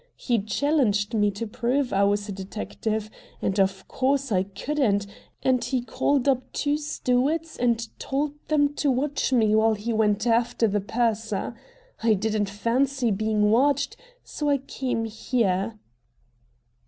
He challenged me to prove I was a detective, and, of course, I couldn't, and he called up two stewards and told them to watch me while he went after the purser. I didn't fancy being watched, so I came here."